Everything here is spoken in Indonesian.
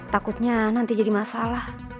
takutnya nanti jadi masalah